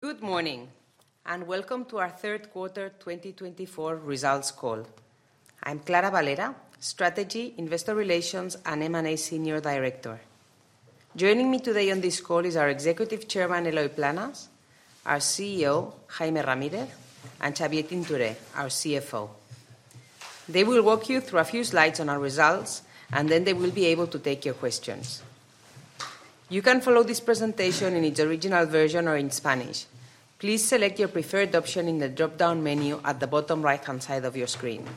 Good morning, and welcome to our Q3 2024 Results Call. I'm Clara Valera, Strategy, Investor Relations, and M&A Senior Director. Joining me today on this call is our Executive Chairman, Eloy Planas, our CEO, Jaime Ramírez, and Xavier Tintoré, our CFO. They will walk you through a few slides on our results, and then they will be able to take your questions. You can follow this presentation in its original version or in Spanish. Please select your preferred option in the drop-down menu at the bottom right-hand side of your screen.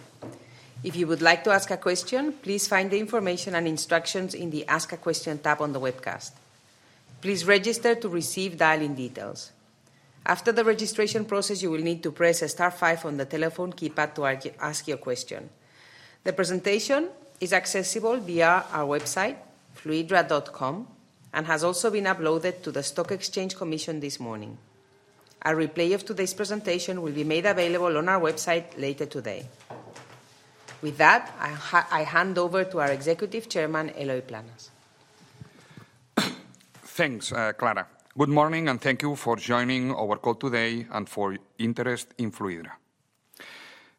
If you would like to ask a question, please find the information and instructions in the Ask a Question tab on the webcast. Please register to receive dial-in details. After the registration process, you will need to press a star five on the telephone keypad to ask your question. The presentation is accessible via our website, Fluidra.com, and has also been uploaded to the Stock Exchange Commission this morning. A replay of today's presentation will be made available on our website later today. With that, I hand over to our Executive Chairman, Eloy Planas. Thanks, Clara. Good morning, and thank you for joining our call today and for your interest in Fluidra.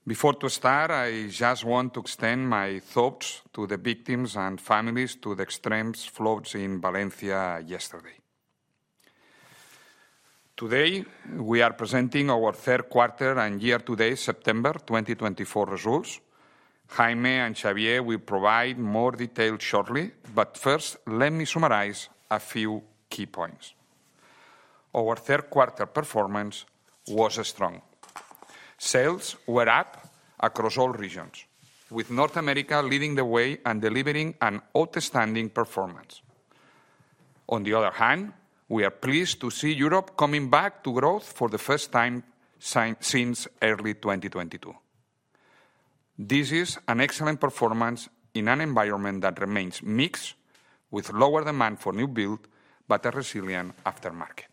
Before we start, I just want to extend my thoughts to the victims and families of the extreme floods in Valencia yesterday. Today, we are presenting our Q3 and year-to-date September 2024 results. Jaime and Xavier will provide more details shortly, but first, let me summarize a few key points. Our Q3 performance was strong. Sales were up across all regions, with North America leading the way and delivering an outstanding performance. On the other hand, we are pleased to see Europe coming back to growth for the first time since early 2022. This is an excellent performance in an environment that remains mixed, with lower demand for new build but a resilient aftermarket.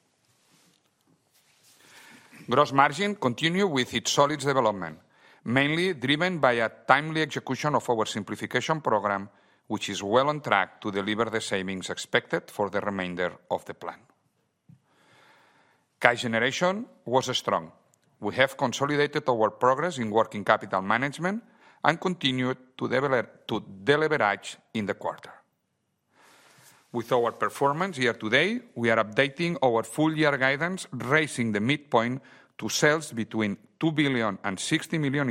Gross margin continued with its solid development, mainly driven by a timely execution of our Simplification Program, which is well on track to deliver the savings expected for the remainder of the plan. Cash generation was strong. We have consolidated our progress in working capital management and continued to deleverage in the quarter. With our performance year-to-date, we are updating our full-year guidance, raising the midpoint to sales between €2.06 billion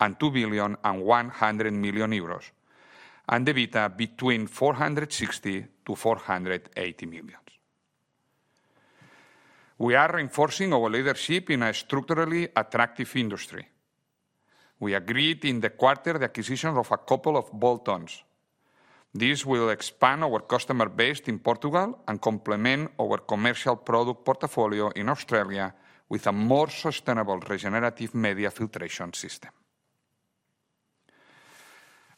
and €2.1 billion and EBITDA between €460 and 480 million. We are reinforcing our leadership in a structurally attractive industry. We agreed in the quarter the acquisition of a couple of bolt-ons. This will expand our customer base in Portugal and complement our commercial product portfolio in Australia with a more sustainable regenerative media filtration system.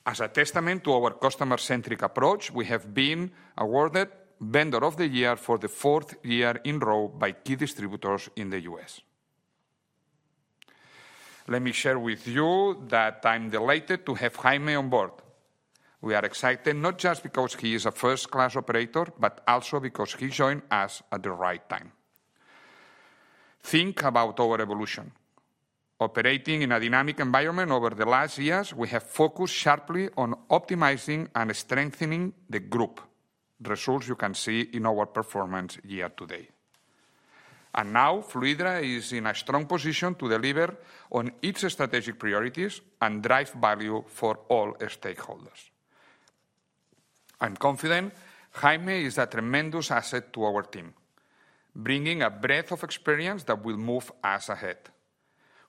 As a testament to our customer-centric approach, we have been awarded Vendor of the Year for the fourth year in a row by key distributors in the U.S. Let me share with you that I'm delighted to have Jaime on board. We are excited not just because he is a first-class operator, but also because he joined us at the right time. Think about our evolution. Operating in a dynamic environment over the last years, we have focused sharply on optimizing and strengthening the group results you can see in our performance year-to-date, and now Fluidra is in a strong position to deliver on its strategic priorities and drive value for all stakeholders. I'm confident Jaime is a tremendous asset to our team, bringing a breadth of experience that will move us ahead.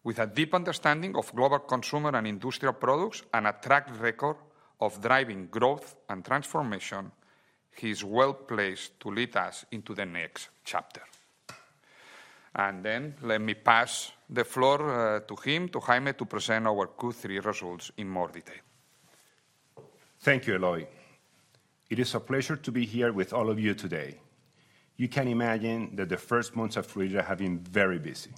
With a deep understanding of global consumer and industrial products and a track record of driving growth and transformation, he is well placed to lead us into the next chapter. And then let me pass the floor to him, to Jaime, to present our Q3 results in more detail. Thank you, Eloy. It is a pleasure to be here with all of you today. You can imagine that the first months of Fluidra have been very busy,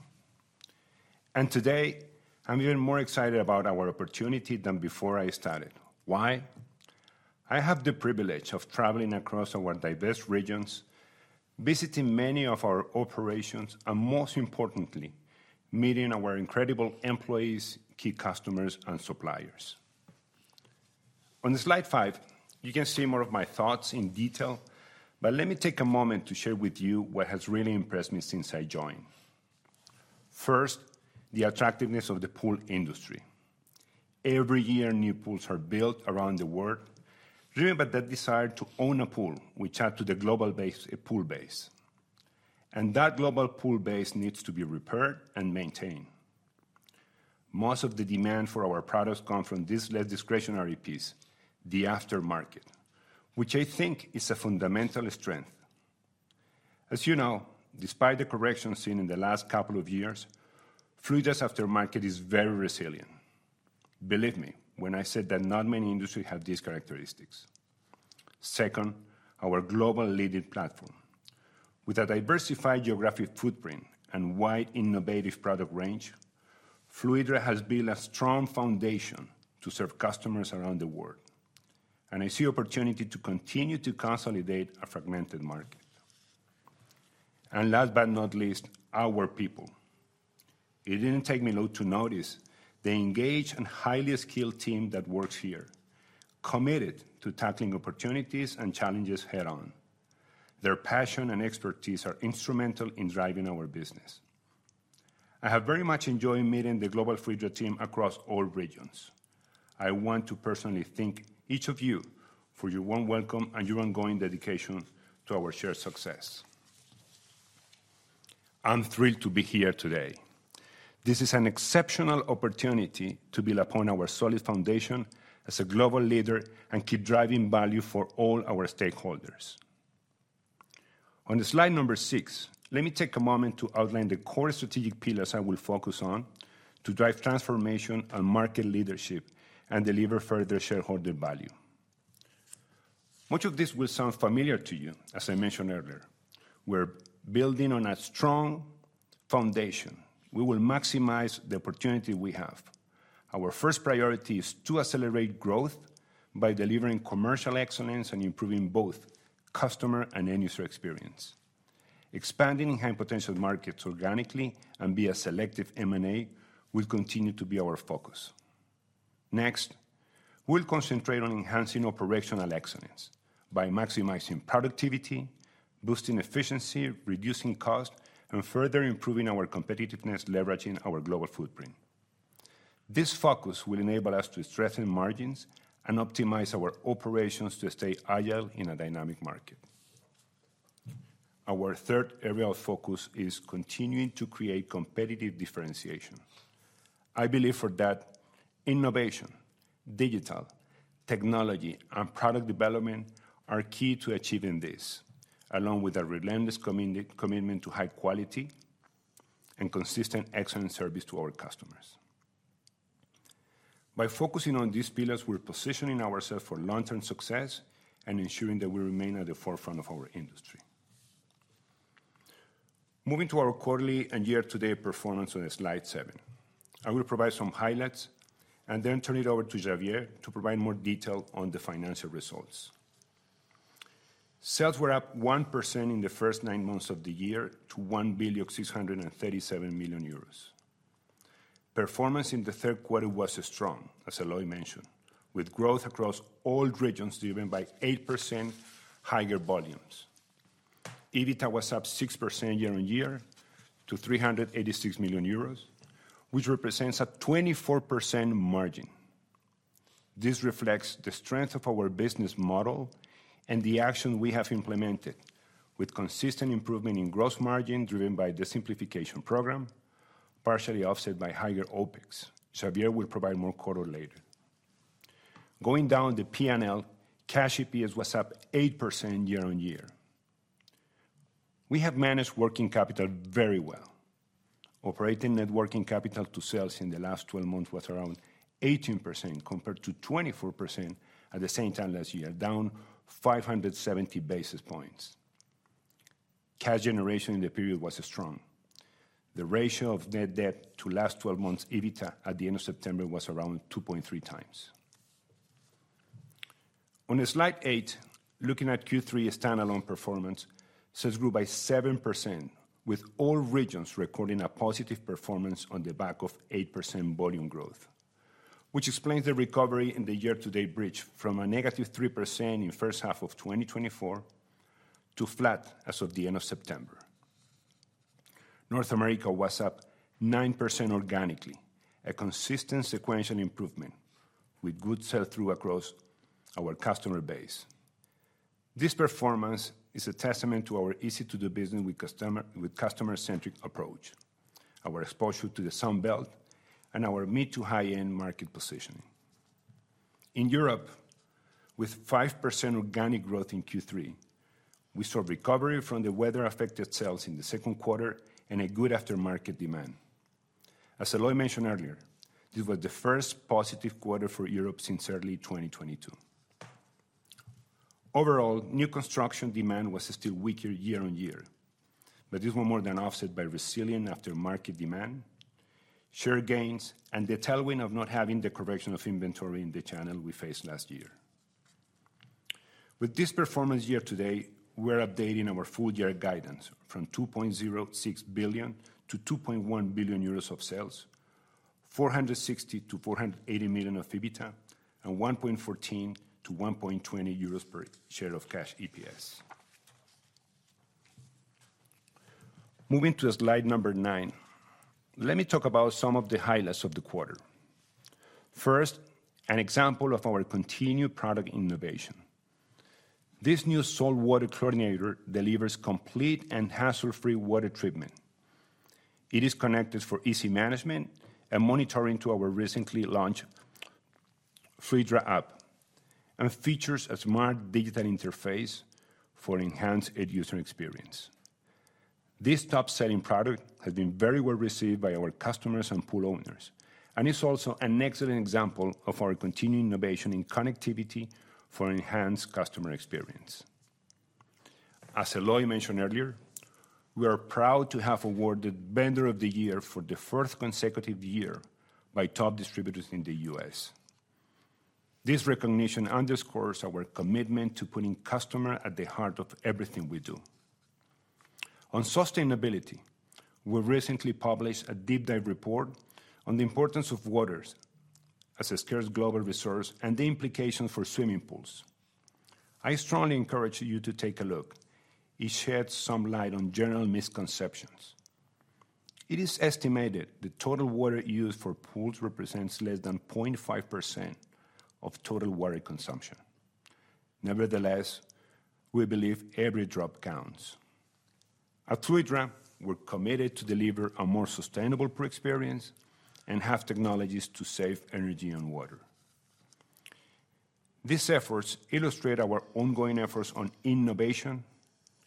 and today, I'm even more excited about our opportunity than before I started. Why? I have the privilege of traveling across our diverse regions, visiting many of our operations, and most importantly, meeting our incredible employees, key customers, and suppliers. On slide five, you can see more of my thoughts in detail, but let me take a moment to share with you what has really impressed me since I joined. First, the attractiveness of the pool industry. Every year, new pools are built around the world, driven by that desire to own a pool, which adds to the global pool base, and that global pool base needs to be repaired and maintained. Most of the demand for our products comes from this discretionary piece, the aftermarket, which I think is a fundamental strength. As you know, despite the corrections seen in the last couple of years, Fluidra's aftermarket is very resilient. Believe me when I say that not many industries have these characteristics. Second, our global leading platform. With a diversified geographic footprint and wide innovative product range, Fluidra has built a strong foundation to serve customers around the world, and I see opportunity to continue to consolidate a fragmented market, and last but not least, our people. It didn't take me long to notice the engaged and highly skilled team that works here, committed to tackling opportunities and challenges head-on. Their passion and expertise are instrumental in driving our business. I have very much enjoyed meeting the global Fluidra team across all regions. I want to personally thank each of you for your warm welcome and your ongoing dedication to our shared success. I'm thrilled to be here today. This is an exceptional opportunity to build upon our solid foundation as a global leader and keep driving value for all our stakeholders. On slide number six, let me take a moment to outline the core strategic pillars I will focus on to drive transformation and market leadership and deliver further shareholder value. Much of this will sound familiar to you, as I mentioned earlier. We're building on a strong foundation. We will maximize the opportunity we have. Our first priority is to accelerate growth by delivering commercial excellence and improving both customer and end-user experience. Expanding in high-potential markets organically and via selective M&A will continue to be our focus. Next, we'll concentrate on enhancing operational excellence by maximizing productivity, boosting efficiency, reducing cost, and further improving our competitiveness, leveraging our global footprint. This focus will enable us to strengthen margins and optimize our operations to stay agile in a dynamic market. Our third area of focus is continuing to create competitive differentiation. I believe for that, innovation, digital, technology, and product development are key to achieving this, along with a relentless commitment to high quality and consistent excellent service to our customers. By focusing on these pillars, we're positioning ourselves for long-term success and ensuring that we remain at the forefront of our industry. Moving to our quarterly and year-to-date performance on slide seven, I will provide some highlights and then turn it over to Xavier to provide more detail on the financial results. Sales were up 1% in the first nine months of the year to €1,637 million. Performance in the Q3 was strong, as Eloy mentioned, with growth across all regions driven by 8% higher volumes. EBITDA was up 6% year-on-year to €386 million, which represents a 24% margin. This reflects the strength of our business model and the action we have implemented, with consistent improvement in gross margin driven by the simplification program, partially offset by higher OpEx. Xavier will provide more quarterly later. Going down the P&L, cash EPS was up 8% year-on-year. We have managed working capital very well. Operating net working capital to sales in the last 12 months was around 18% compared to 24% at the same time last year, down 570 basis points. Cash generation in the period was strong. The ratio of net debt to last 12 months EBITDA at the end of September was around 2.3x. On slide eight, looking at Q3 standalone performance, sales grew by 7%, with all regions recording a positive performance on the back of 8% volume growth, which explains the recovery in the year-to-date bridge from a negative 3% in the first half of 2024 to flat as of the end of September. North America was up 9% organically, a consistent sequential improvement with good sell-through across our customer base. This performance is a testament to our easy-to-do business with a customer-centric approach, our exposure to the Sun Belt, and our mid-to-high-end market positioning. In Europe, with 5% organic growth in Q3, we saw recovery from the weather-affected sales in Q2 and a good aftermarket demand. As Eloy mentioned earlier, this was the first positive quarter for Europe since early 2022. Overall, new construction demand was still weaker year-on-year, but this was more than offset by resilient aftermarket demand, share gains, and the tailwind of not having the correction of inventory in the channel we faced last year. With this performance year-to-date, we're updating our full-year guidance from €2.06 to 2.1 billion of sales, €460-480 million of EBITDA, and €1.14-1.20 per share of Cash EPS. Moving to slide number nine, let me talk about some of the highlights of the quarter. First, an example of our continued product innovation. This new saltwater chlorinator delivers complete and hassle-free water treatment. It is connected for easy management and monitoring to our recently launched Fluidra App and features a smart digital interface for enhanced end-user experience. This top-selling product has been very well received by our customers and pool owners, and it's also an excellent example of our continued innovation in connectivity for enhanced customer experience. As Eloy mentioned earlier, we are proud to have awarded Vendor of the Year for the fourth consecutive year by top distributors in the U.S. This recognition underscores our commitment to putting customers at the heart of everything we do. On sustainability, we recently published a deep-dive report on the importance of water as a scarce global resource and the implications for swimming pools. I strongly encourage you to take a look. It sheds some light on general misconceptions. It is estimated the total water used for pools represents less than 0.5% of total water consumption. Nevertheless, we believe every drop counts. At Fluidra, we're committed to deliver a more sustainable pool experience and have technologies to save energy on water. These efforts illustrate our ongoing efforts on innovation,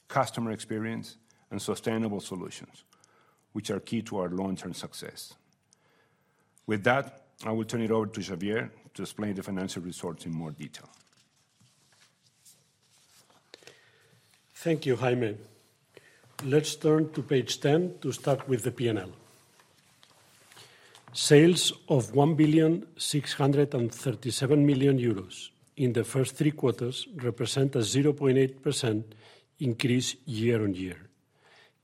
customer experience, and sustainable solutions, which are key to our long-term success. With that, I will turn it over to Xavier to explain the financial results in more detail. Thank you, Jaime. Let's turn to page 10 to start with the P&L. Sales of 1,637 million euros in the first three quarters represent a 0.8% increase year-on-year.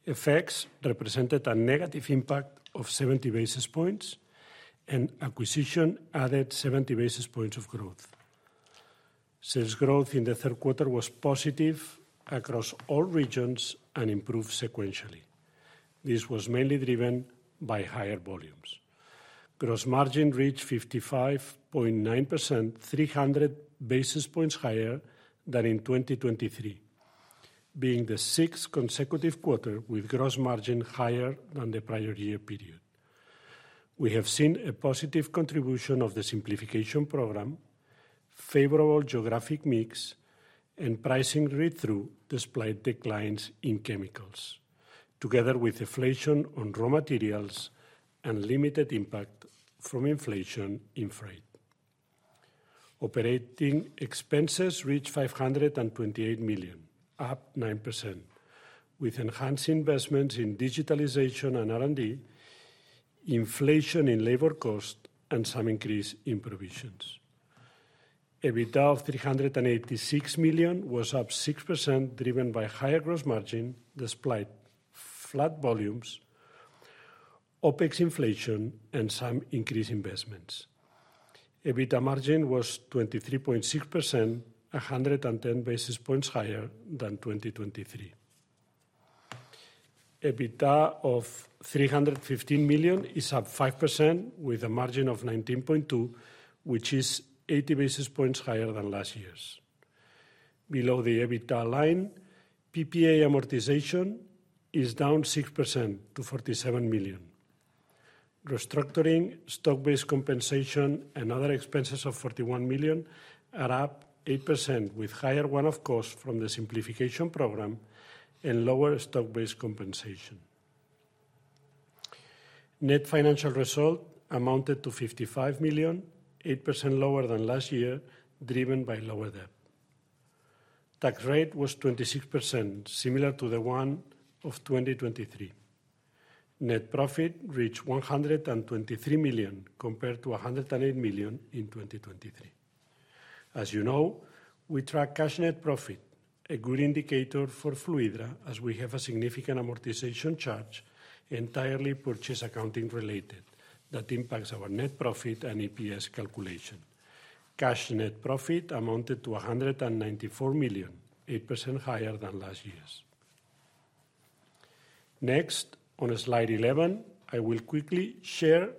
Effects represented a negative impact of 70 basis points, and acquisition added 70 basis points of growth. Sales growth in the Q3 was positive across all regions and improved sequentially. This was mainly driven by higher volumes. Gross margin reached 55.9%, 300 basis points higher than in 2023, being the sixth consecutive quarter with gross margin higher than the prior year period. We have seen a positive contribution of the simplification program, favorable geographic mix, and pricing read-through despite declines in chemicals, together with inflation on raw materials and limited impact from inflation in freight. Operating expenses reached 528 million, up 9%, with enhanced investments in digitalization and R&D, inflation in labor costs, and some increase in provisions. EBITDA of €386 million was up 6%, driven by higher gross margin despite flat volumes, OpEx inflation, and some increased investments. EBITDA margin was 23.6%, 110 basis points higher than 2023. EBITDA of €315 million is up 5%, with a margin of 19.2%, which is 80 basis points higher than last year. Below the EBITDA line, PPA amortization is down 6% to €47 million. Restructuring, stock-based compensation, and other expenses of €41 million are up 8%, with higher one-off costs from the Simplification Program and lower stock-based compensation. Net financial result amounted to €55 million, 8% lower than last year, driven by lower debt. Tax rate was 26%, similar to the one of 2023. Net profit reached €123 million compared to €108 million in 2023. As you know, we track cash net profit, a good indicator for Fluidra, as we have a significant amortization charge entirely purchase accounting related that impacts our net profit and EPS calculation. Cash net profit amounted to €194 million, 8% higher than last year. Next, on slide 11, I will quickly share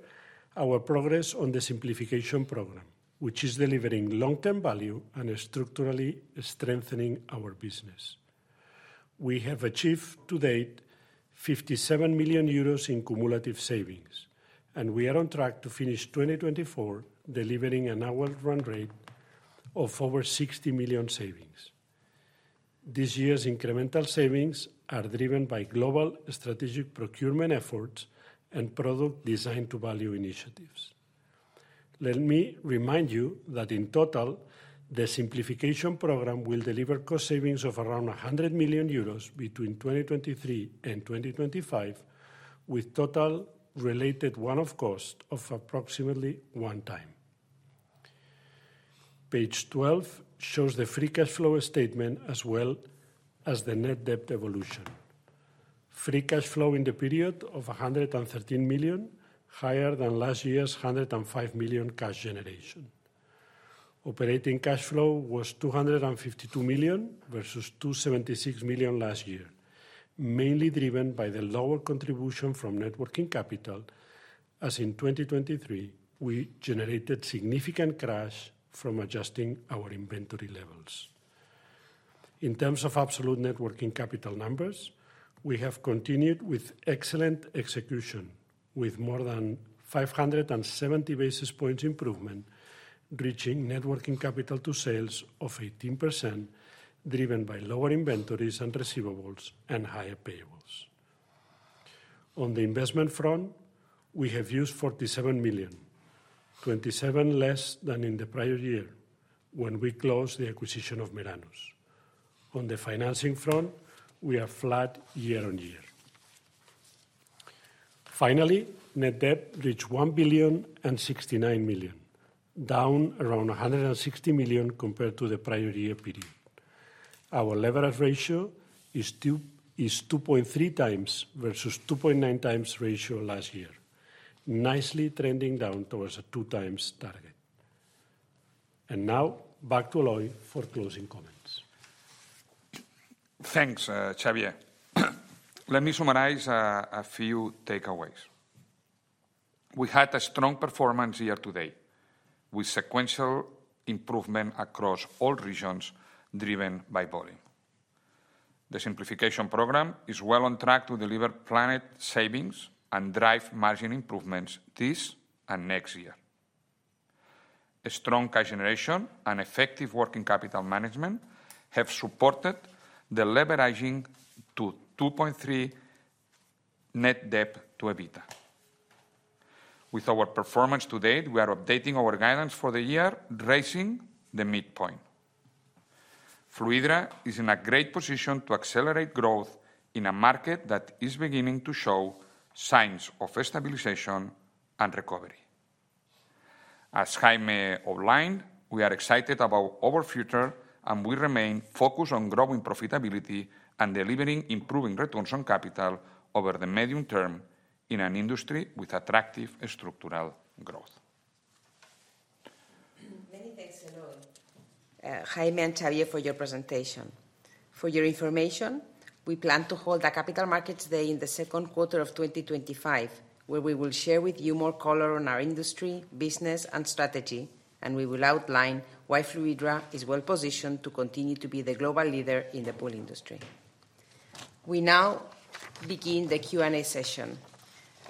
our progress on the simplification program, which is delivering long-term value and structurally strengthening our business. We have achieved to date €57 million in cumulative savings, and we are on track to finish 2024 delivering an annual run rate of over €60 million savings. This year's incremental savings are driven by global strategic procurement efforts and product design-to-value initiatives. Let me remind you that in total, the simplification program will deliver cost savings of around €100 million between 2023 and 2025, with total related one-off cost of approximately one time. Page 12 shows the free cash flow statement as well as the net debt evolution. Free cash flow in the period of €113 million, higher than last year's €105 million cash generation. Operating cash flow was 252 versus 276 million last year, mainly driven by the lower contribution from net working capital, as in 2023, we generated significant cash from adjusting our inventory levels. In terms of absolute net working capital numbers, we have continued with excellent execution, with more than 570 basis points improvement, reaching net working capital to sales of 18%, driven by lower inventories and receivables and higher payables. On the investment front, we have used 47 million, 27 less than in the prior year when we closed the acquisition of Meranus. On the financing front, we are flat year-on-year. Finally, net debt reached 1,069, down around 160 million compared to the prior year period. Our leverage ratio is 2.3x versus 2.9x ratio last year, nicely trending down towards a 2x target, and now, back to Eloy for closing comments. Thanks, Xavier. Let me summarize a few takeaways. We had a strong performance year-to-date with sequential improvement across all regions driven by volume. The Simplification Program is well on track to deliver planned savings and drive margin improvements this and next year. Strong cash generation and effective working capital management have supported the deleveraging to 2.3x net debt to EBITDA. With our performance to date, we are updating our guidance for the year, raising the midpoint. Fluidra is in a great position to accelerate growth in a market that is beginning to show signs of stabilization and recovery. As Jaime outlined, we are excited about our future, and we remain focused on growing profitability and delivering improving returns on capital over the medium term in an industry with attractive structural growth. Many thanks, Eloy.Jaime and Xavier for your presentation. For your information, we plan to hold a Capital Markets Day in Q2 of 2025, where we will share with you more color on our industry, business, and strategy, and we will outline why Fluidra is well positioned to continue to be the global leader in the pool industry. We now begin the Q&A session.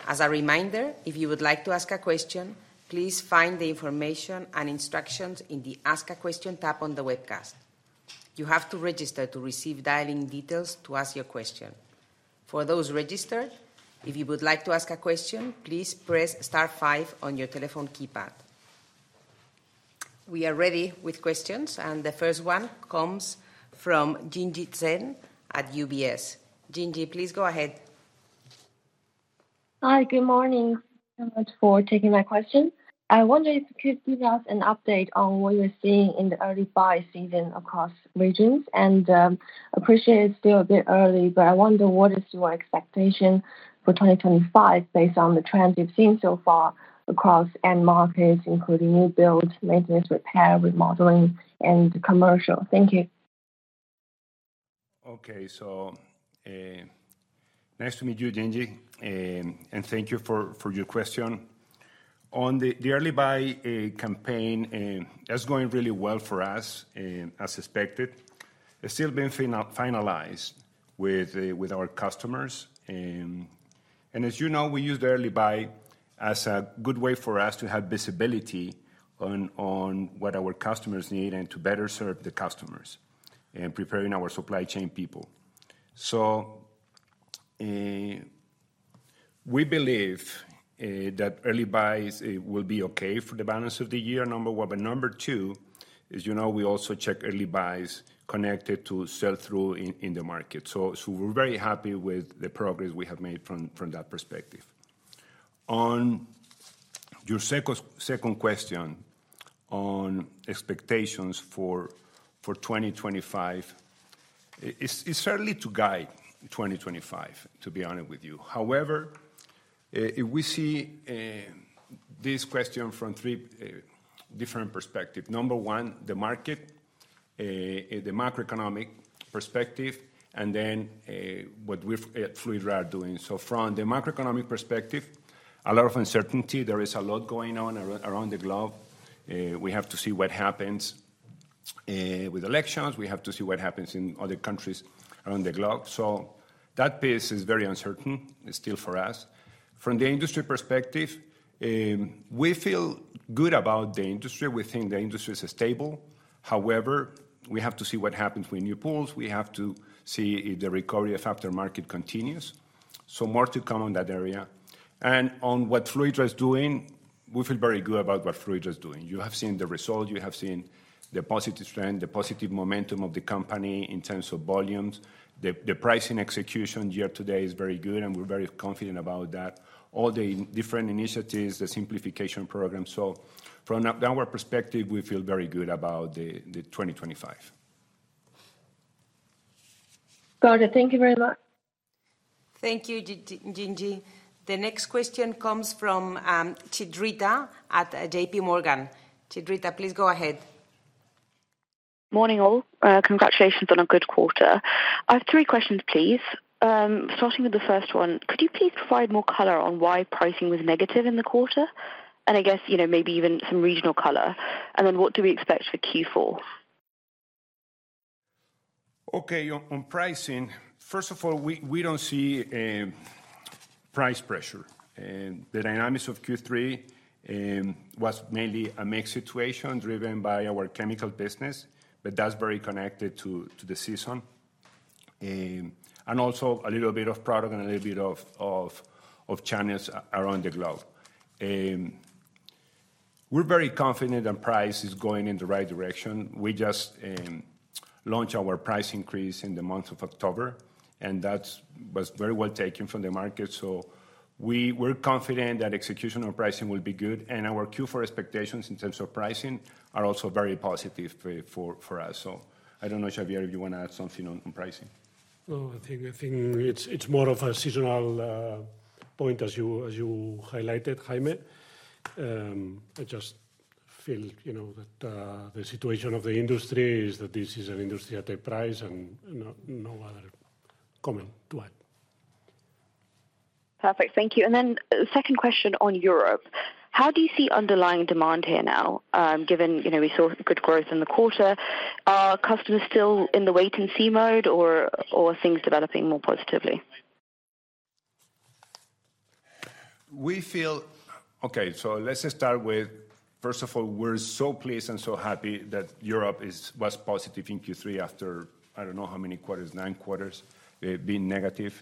As a reminder, if you would like to ask a question, please find the information and instructions in the Ask a Question tab on the webcast. You have to register to receive dial-in details to ask your question. For those registered, if you would like to ask a question, please press star five on your telephone keypad. We are ready with questions, and the first one comes from Zing Yi Zen at UBS. Zing Yi, please go ahead. Hi, good morning. Thank you so much for taking my question. I wonder if you could give us an update on what you're seeing in the early buy season across regions, and I appreciate it's still a bit early, but I wonder what is your expectation for 2025 based on the trends you've seen so far across end markets, including new builds, maintenance, repair, remodeling, and commercial. Thank you. Okay, so nice to meet you, Jinji. And thank you for your question. On the early buy campaign, that's going really well for us, as expected. It's still being finalized with our customers. And as you know, we use the early buy as a good way for us to have visibility on what our customers need and to better serve the customers and preparing our supply chain people. So we believe that early buys will be okay for the balance of the year, number one. But number two is, you know, we also check early buys connected to sell-through in the market. So we're very happy with the progress we have made from that perspective. On your second question on expectations for 2025, it's certainly to guide 2025, to be honest with you. However, we see this question from three different perspectives. Number one, the market, the macroeconomic perspective, and then what we at Fluidra are doing. So from the macroeconomic perspective, a lot of uncertainty. There is a lot going on around the globe. We have to see what happens with elections. We have to see what happens in other countries around the globe. So that piece is very uncertain still for us. From the industry perspective, we feel good about the industry. We think the industry is stable. However, we have to see what happens with new pools. We have to see if the recovery of aftermarket continues. So more to come on that area. And on what Fluidra is doing, we feel very good about what Fluidra is doing. You have seen the result. You have seen the positive trend, the positive momentum of the company in terms of volumes. The pricing execution year-to-date is very good, and we're very confident about that. All the different initiatives, the Simplification Program, so from our perspective, we feel very good about 2025. Got it. Thank you very much. Thank you, Zing Yi. The next question comes from Chitrita at J.P. Morgan. Chitrita, please go ahead. Morning all. Congratulations on a good quarter. I have three questions, please. Starting with the first one, could you please provide more color on why pricing was negative in the quarter? And I guess, you know, maybe even some regional color. And then what do we expect for Q4? Okay, on pricing, first of all, we don't see price pressure. The dynamics of Q3 was mainly a mixed situation driven by our chemical business, but that's very connected to the season. And also a little bit of product and a little bit of channels around the globe. We're very confident that price is going in the right direction. We just launched our price increase in the month of October, and that was very well taken from the market. So we're confident that execution on pricing will be good. And our Q4 expectations in terms of pricing are also very positive for us. So I don't know, Xavier, if you want to add something on pricing. I think it's more of a seasonal point, as you highlighted, Jaime. I just feel, you know, that the situation of the industry is that this is an industry at a price, and no other comment to add. Perfect. Thank you, and then the second question on Europe. How do you see underlying demand here now, given, you know, we saw good growth in the quarter? Are customers still in the wait-and-see mode, or are things developing more positively? We feel, okay, so let's start with, first of all, we're so pleased and so happy that Europe was positive in Q3 after, I don't know how many quarters, nine quarters, being negative.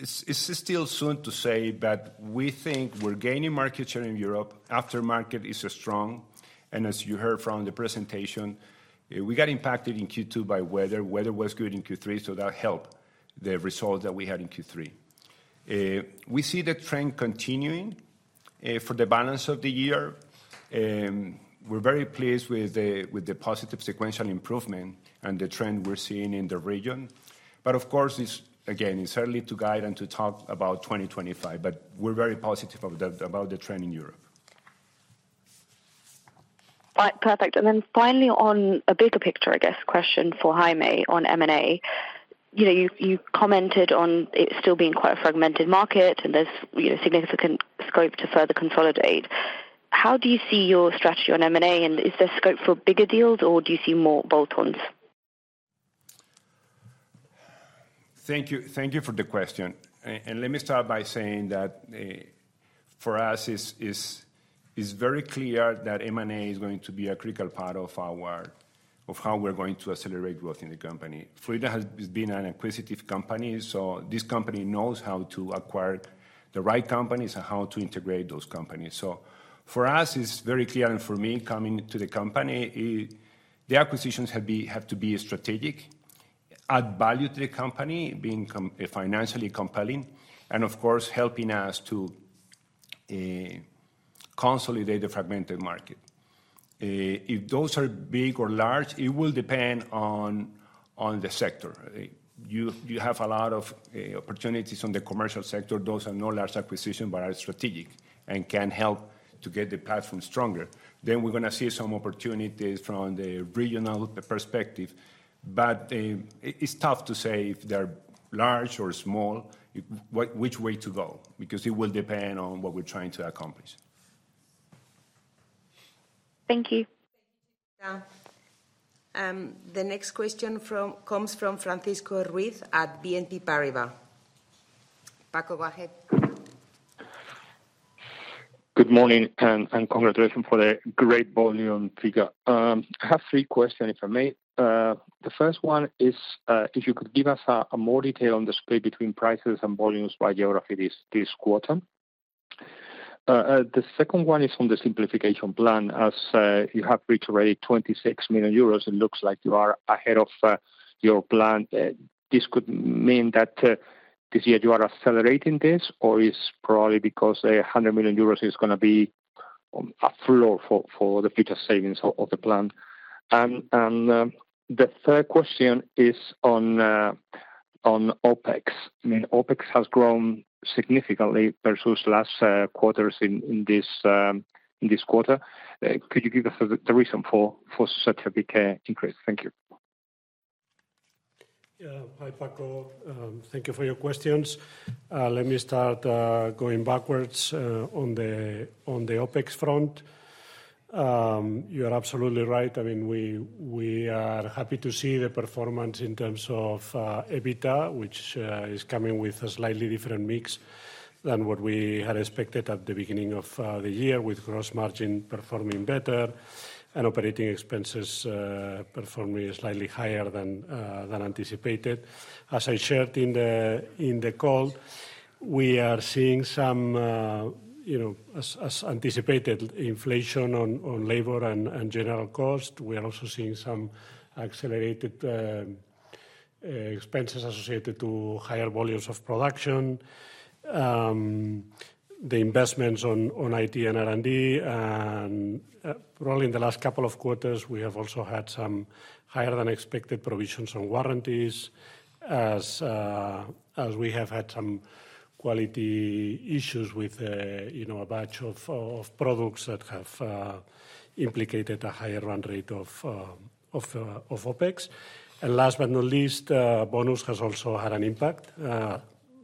It's still soon to say, but we think we're gaining market share in Europe. Aftermarket is strong, and as you heard from the presentation, we got impacted in Q2 by weather. Weather was good in Q3, so that helped the result that we had in Q3. We see the trend continuing for the balance of the year. We're very pleased with the positive sequential improvement and the trend we're seeing in the region, but of course, again, it's early to guide and to talk about 2025, but we're very positive about the trend in Europe. Perfect. And then finally, on a bigger picture, I guess, question for Jaime on M&A. You commented on it still being quite a fragmented market and there's significant scope to further consolidate. How do you see your strategy on M&A, and is there scope for bigger deals, or do you see more bolt-ons? Thank you for the question, and let me start by saying that for us, it's very clear that M&A is going to be a critical part of how we're going to accelerate growth in the company. Fluidra has been an acquisitive company, so this company knows how to acquire the right companies and how to integrate those companies, so for us, it's very clear, and for me, coming to the company, the acquisitions have to be strategic, add value to the company, being financially compelling, and of course, helping us to consolidate the fragmented market. If those are big or large, it will depend on the sector. You have a lot of opportunities in the commercial sector. Those are no large acquisitions, but are strategic and can help to get the platform stronger. Then we're going to see some opportunities from the regional perspective, but it's tough to say if they're large or small, which way to go, because it will depend on what we're trying to accomplish. Thank you. The next question comes from Francisco Ruiz at BNP Paribas. Paco [Barrier]. Good morning and congratulations for the great volume figure. I have three questions, if I may. The first one is if you could give us more detail on the split between prices and volumes by geography this quarter. The second one is on the simplification plan. As you have reached already 26 million euros, it looks like you are ahead of your plan. This could mean that this year you are accelerating this, or is it probably because 100 million euros is going to be a floor for the future savings of the plan? And the third question is on OpEx. I mean, OpEx has grown significantly versus last quarters in this quarter. Could you give us the reason for such a big increase? Thank you. Hi, Paco. Thank you for your questions. Let me start going backwards on the OpEx front. You are absolutely right. I mean, we are happy to see the performance in terms of EBITDA, which is coming with a slightly different mix than what we had expected at the beginning of the year, with gross margin performing better and operating expenses performing slightly higher than anticipated. As I shared in the call, we are seeing some, you know, as anticipated, inflation on labor and general cost. We are also seeing some accelerated expenses associated to higher volumes of production, the investments on IT and R&D. And probably in the last couple of quarters, we have also had some higher-than-expected provisions on warranties, as we have had some quality issues with a batch of products that have implicated a higher run rate of OpEx. Last but not least, bonus has also had an impact.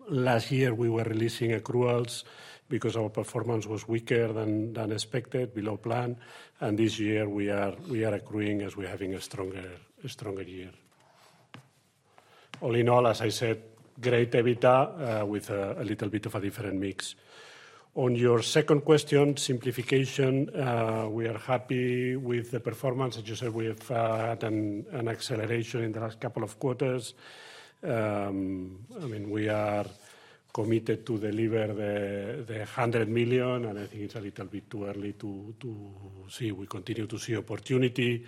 Last year, we were releasing accruals because our performance was weaker than expected, below plan. And this year, we are accruing as we're having a stronger year. All in all, as I said, great EBITDA with a little bit of a different mix. On your second question, simplification, we are happy with the performance. As you said, we have had an acceleration in the last couple of quarters. I mean, we are committed to deliver the 100 million, and I think it's a little bit too early to see. We continue to see opportunity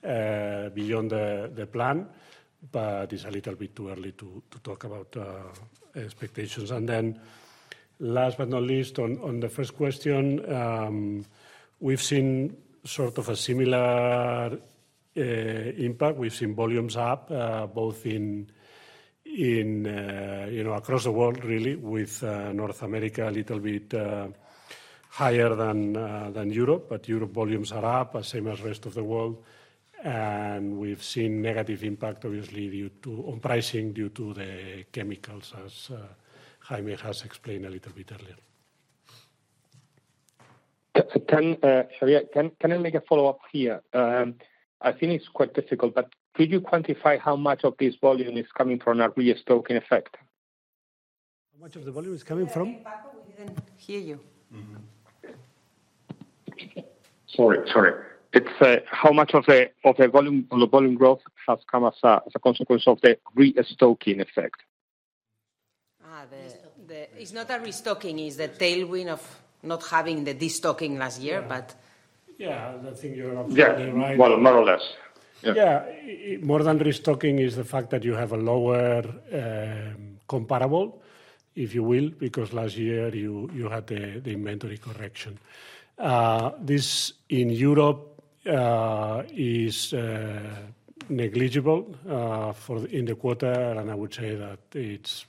beyond the plan, but it's a little bit too early to talk about expectations. And then last but not least, on the first question, we've seen sort of a similar impact. We've seen volumes up both in, you know, across the world, really, with North America a little bit higher than Europe, but Europe volumes are up, same as the rest of the world. And we've seen negative impact, obviously, on pricing due to the chemicals, as Jaime has explained a little bit earlier. Xavier, can I make a follow-up here? I think it's quite difficult, but could you quantify how much of this volume is coming from a re-stocking effect? How much of the volume is coming from? Paco, we didn't hear you. Sorry, sorry. It's how much of the volume growth has come as a consequence of the restocking effect? It's not a restocking. It's the tailwind of not having the destocking last year, but. Yeah, I think you're absolutely right. Yeah, well, more or less. Yeah, more than restocking is the fact that you have a lower comparable, if you will, because last year you had the inventory correction. This, in Europe, is negligible in the quarter, and I would say that it's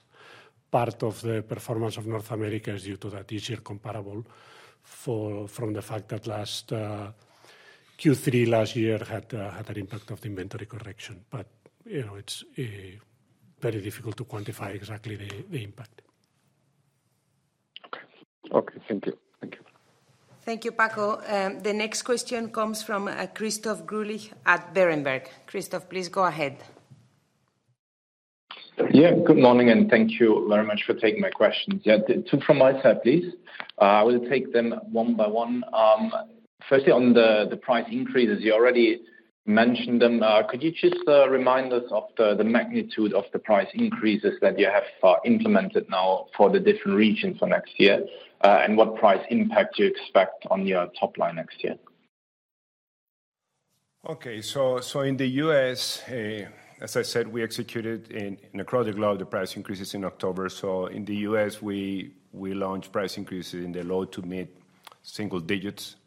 part of the performance of North America is due to that easier comparable from the fact that last Q3 last year had an impact of the inventory correction. But, you know, it's very difficult to quantify exactly the impact. Okay. Okay, thank you. Thank you. Thank you, Paco. The next question comes from Christoph Greulich at Berenberg. Christoph, please go ahead. Yeah, good morning and thank you very much for taking my questions. Yeah, two from my side, please. I will take them one by one. Firstly, on the price increases, you already mentioned them. Could you just remind us of the magnitude of the price increases that you have implemented now for the different regions for next year and what price impact you expect on your top line next year? Okay, so in the U.S., as I said, we executed across the globe the price increases in October. So in the U.S., we launched price increases in the low- to mid-single digits,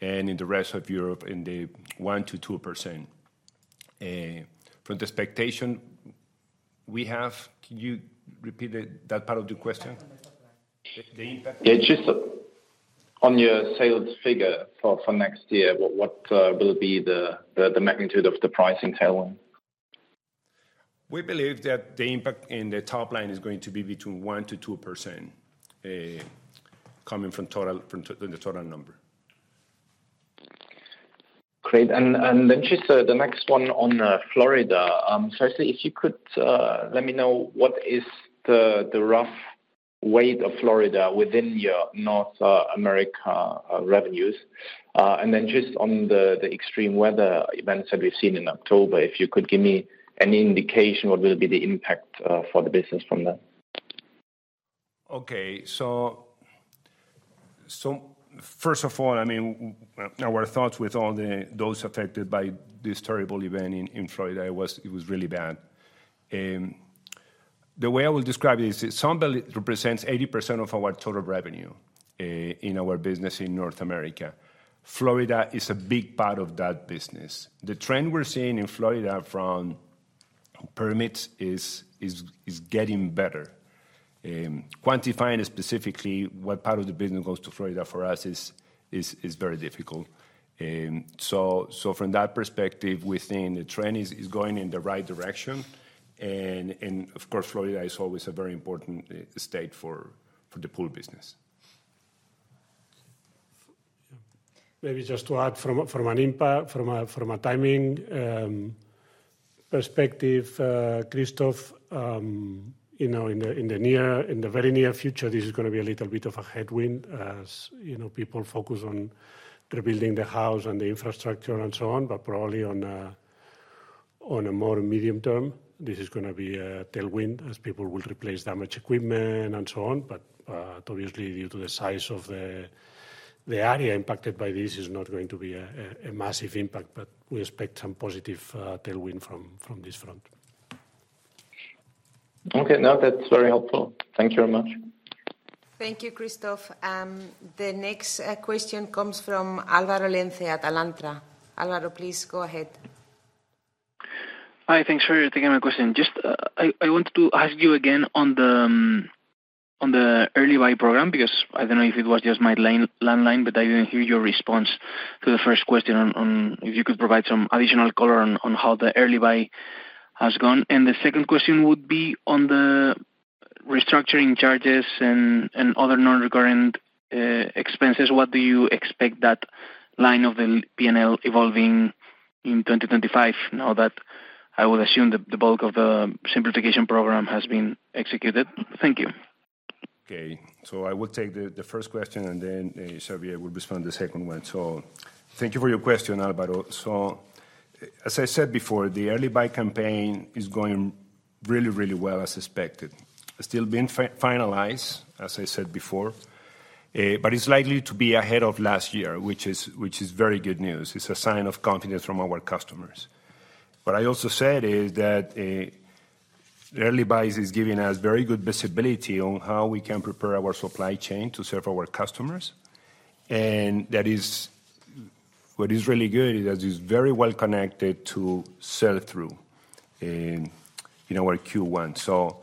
and in the rest of Europe, in the 1%-2%. From the expectation we have, can you repeat that part of the question? It's just on your sales figure for next year. What will be the magnitude of the pricing tailwind? We believe that the impact in the top line is going to be between 1% to 2% coming from the total number. Great. And then just the next one on Florida. So actually, if you could let me know what is the rough weight of Florida within your North America revenues. And then just on the extreme weather events that we've seen in October, if you could give me any indication what will be the impact for the business from that? Okay, so first of all, I mean, our thoughts with all those affected by this terrible event in Florida was. It was really bad. The way I will describe it is it somewhat represents 80% of our total revenue in our business in North America. Florida is a big part of that business. The trend we're seeing in Florida from permits is getting better. Quantifying specifically what part of the business goes to Florida for us is very difficult. So from that perspective, we think the trend is going in the right direction. And of course, Florida is always a very important state for the pool business. Maybe just to add from a timing perspective, Christoph, you know, in the very near future, this is going to be a little bit of a headwind as, you know, people focus on rebuilding the house and the infrastructure and so on, but probably on a more medium term, this is going to be a tailwind as people will replace damaged equipment and so on. But obviously, due to the size of the area impacted by this, it's not going to be a massive impact, but we expect some positive tailwind from this front. Okay, no, that's very helpful. Thank you very much. Thank you, Christoph. The next question comes from Álvaro Lenze at Alantra. Álvaro, please go ahead. Hi, thanks for taking my question. Just I wanted to ask you again on the early buy program, because I don't know if it was just my landline, but I didn't hear your response to the first question on if you could provide some additional color on how the early buy has gone. And the second question would be on the restructuring charges and other non-recurrent expenses. What do you expect that line of the P&L evolving in 2025 now that I would assume the bulk of the simplification program has been executed? Thank you. Okay, so I will take the first question, and then Xavier will respond to the second one. So thank you for your question, Álvaro. So as I said before, the early buy campaign is going really, really well, as expected. It's still being finalized, as I said before, but it's likely to be ahead of last year, which is very good news. It's a sign of confidence from our customers. What I also said is that early buy is giving us very good visibility on how we can prepare our supply chain to serve our customers. And what is really good is that it's very well connected to sell-through in our Q1. So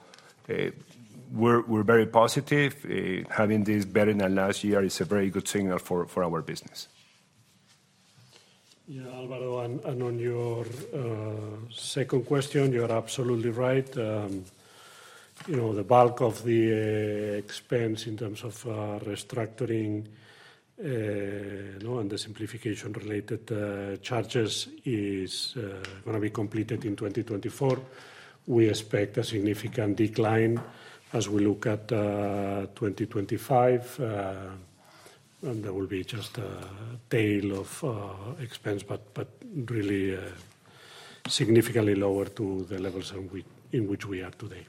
we're very positive. Having this better than last year is a very good signal for our business. You know, Álvaro, and on your second question, you are absolutely right. You know, the bulk of the expense in terms of restructuring and the simplification-related charges is going to be completed in 2024. We expect a significant decline as we look at 2025. There will be just a tail of expense, but really significantly lower to the levels in which we are today.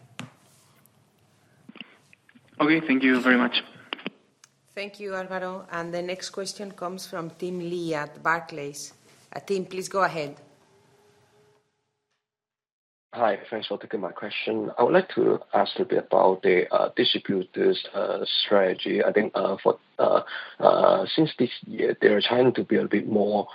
Okay, thank you very much. Thank you, Álvaro. And the next question comes from Tim Lee at Barclays. Tim, please go ahead. Hi, thanks for taking my question. I would like to ask a bit about the distributor's strategy. I think since this year, they're trying to be a bit more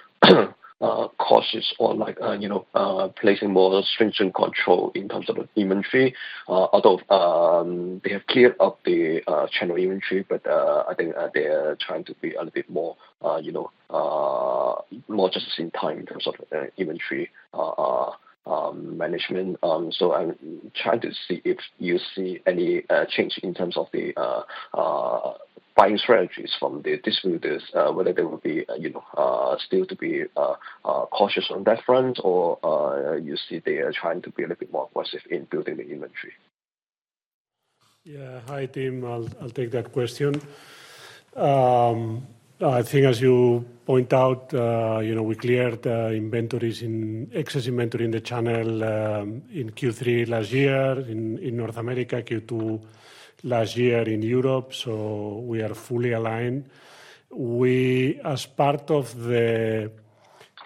cautious on, you know, placing more stringent control in terms of the inventory. Although they have cleared up the channel inventory, but I think they're trying to be a little bit more, you know, just-in-time in terms of inventory management. So I'm trying to see if you see any change in terms of the buying strategies from the distributors, whether they will be, you know, still too cautious on that front, or you see they are trying to be a little bit more aggressive in building the inventory. Yeah, hi, Tim. I'll take that question. I think as you point out, you know, we cleared the excess inventory in the channel in Q3 last year in North America, Q2 last year in Europe. So we are fully aligned. We, as part of the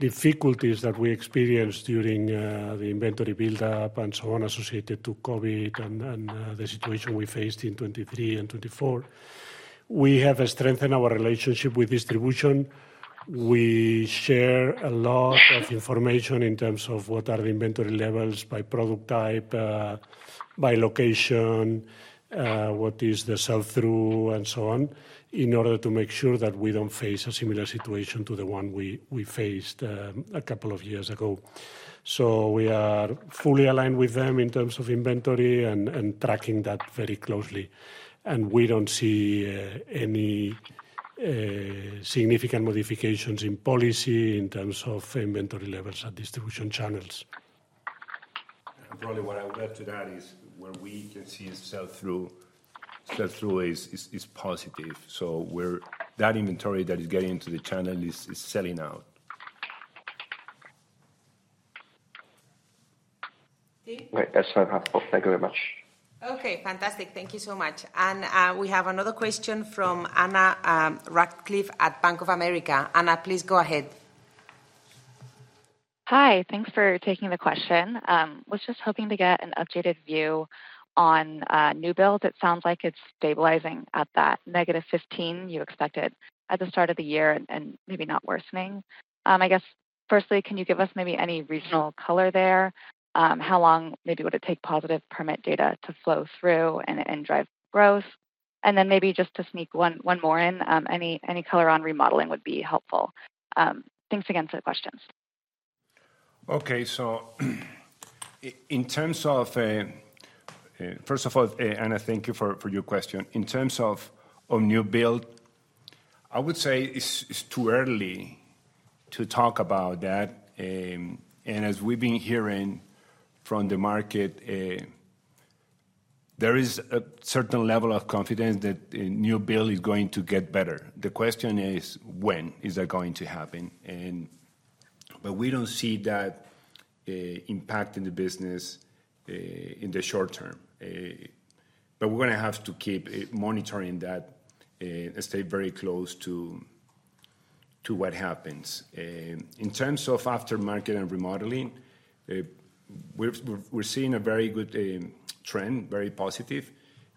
difficulties that we experienced during the inventory build-up and so on associated to COVID and the situation we faced in 2023 and 2024, we have strengthened our relationship with distribution. We share a lot of information in terms of what are the inventory levels by product type, by location, what is the sell-through, and so on, in order to make sure that we don't face a similar situation to the one we faced a couple of years ago. So we are fully aligned with them in terms of inventory and tracking that very closely. We don't see any significant modifications in policy in terms of inventory levels at distribution channels. Probably what I would add to that is where we can see sell-through is positive. So that inventory that is getting into the channel is selling out. Tim? Wait, that's not helpful. Thank you very much. Okay, fantastic. Thank you so much. And we have another question from Anna Ractliffe at Bank of America. Anna, please go ahead. Hi, thanks for taking the question. I was just hoping to get an updated view on new builds. It sounds like it's stabilizing at that negative 15 you expected at the start of the year and maybe not worsening. I guess, firstly, can you give us maybe any regional color there? How long maybe would it take positive permit data to flow through and drive growth? And then maybe just to sneak one more in, any color on remodeling would be helpful. Thanks again for the questions. Okay, so in terms of, first of all, Anna, thank you for your question. In terms of new build, I would say it's too early to talk about that. And as we've been hearing from the market, there is a certain level of confidence that new build is going to get better. The question is, when is that going to happen? But we don't see that impact in the business in the short term. But we're going to have to keep monitoring that and stay very close to what happens. In terms of aftermarket and remodeling, we're seeing a very good trend, very positive.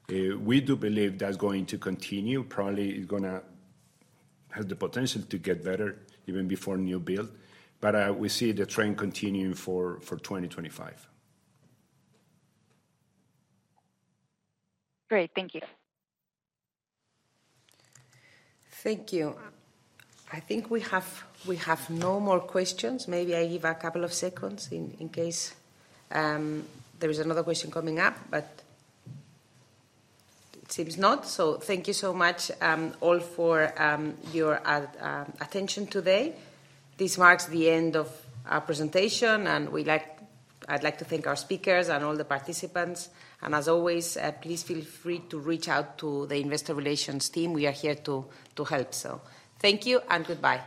We do believe that's going to continue. Probably it's going to have the potential to get better even before new build. But we see the trend continuing for 2025. Great, thank you. Thank you. I think we have no more questions. Maybe I give a couple of seconds in case there is another question coming up, but it seems not. So thank you so much all for your attention today. This marks the end of our presentation, and I'd like to thank our speakers and all the participants. And as always, please feel free to reach out to the investor relations team. We are here to help. So thank you and goodbye.